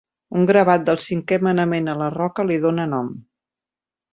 Un gravat del Cinquè Manament a la roca li dona nom.